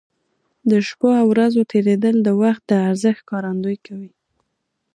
د شپو او ورځو تېرېدل د وخت د ارزښت ښکارندوي کوي.